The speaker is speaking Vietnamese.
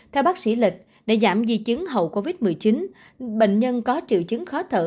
theo bác sĩ lịch để giảm di chứng hậu covid một mươi chín bệnh nhân có triệu chứng khó thở